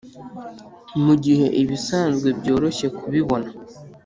mugihe ibisanzwe byoroshye kubibona,